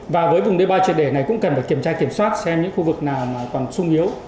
và với vùng đê bao triệt đề này cũng cần kiểm tra kiểm soát xem những khu vực nào còn sung hiếu